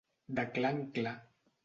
De clar en clar.